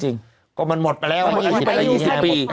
จิตตัวจริงก็มันหมดไปแล้วอายุไร้อยู่๑๐ปี